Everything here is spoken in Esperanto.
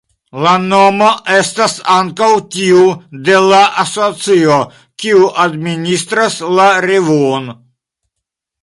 La nomo estas ankaŭ tiu de la asocio, kiu administras la revuon.